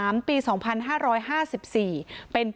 มีคนจมน้ำเสียชีวิต๔ศพแล้วเนี่ย